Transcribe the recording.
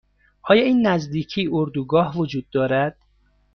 آیا این نزدیکی اردوگاه وجود دارد؟